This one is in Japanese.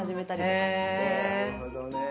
なるほどね。